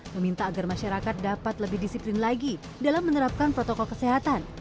meminta agar masyarakat dapat lebih disiplin lagi dalam menerapkan protokol kesehatan